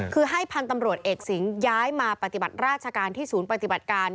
คือให้พันธุ์ตำรวจเอกสิงห์ย้ายมาปฏิบัติราชการที่ศูนย์ปฏิบัติการ